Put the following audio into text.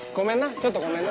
ちょっとごめんな。